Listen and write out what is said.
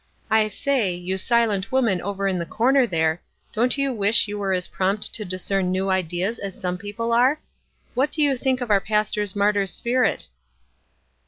I say, you silent woman over in the corner there, don't you wish you were as prompt to discern new ideas as some people are? What do you think of our pastor's martyr spirit?"